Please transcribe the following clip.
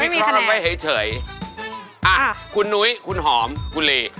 อ่ะคุณหนุ๊ยคุณหอมคุณลี